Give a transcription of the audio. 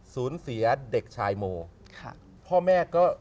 สูญเสียเด็กชายโม